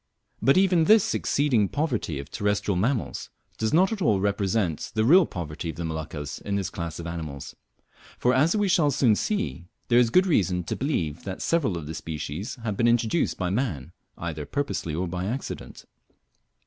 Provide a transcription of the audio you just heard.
But even this exceeding poverty of terrestrial mammals does not at all represent the real poverty of the Moluccas in this class of animals; for, as we shall soon see, there is good reason to believe that several of the species have been introduced by man, either purposely or by accident.